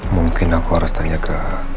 mungkin aku harus tanya ke